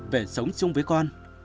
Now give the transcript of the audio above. về sống chung với con